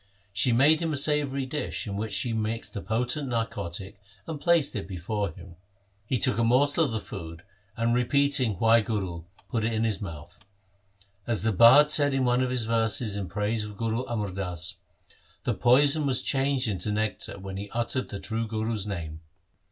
She made him a savoury LIFE OF GURU HAR GOBIND 73 dish, in which she mixed a potent narcotic and placed it before him. He took a morsel of the food, and re peating ' Wahguru put it into his mouth. As the bard said in one of his verses in praise of Guru Amar Das :— The poison was changed into nectar when he uttered the True Guru's name.